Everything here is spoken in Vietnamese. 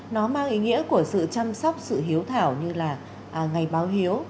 nó mang ý nghĩa của sự chăm sóc sự hiếu thảo như là ngày báo hiếu